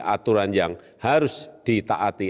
aturan yang harus ditaati